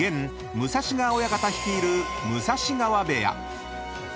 武蔵川親方率いる武蔵川部屋］